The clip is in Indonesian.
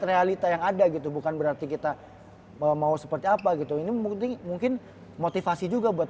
realita yang ada gitu bukan berarti kita mau seperti apa gitu ini mungkin motivasi juga buat